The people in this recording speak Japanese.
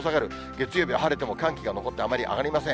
月曜日、晴れても寒気が残って、あまり上がりません。